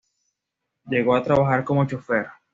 Llegó a trabajar como chófer.